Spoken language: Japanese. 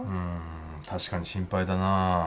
確かに心配だな。